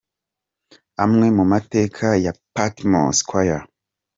Amwe mu mateka ya Patmos Choir.